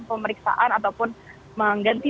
pemeriksaan ataupun mengganti